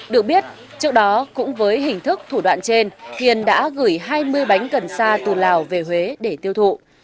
được biết trước đó cũng với hình thức thủ đoạn trên hiền đã gửi hai mươi bánh cần sa từ lào về huế để tiêu thụ